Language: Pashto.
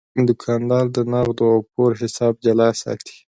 دوکاندار د نغدو او پور حساب جلا ساتي.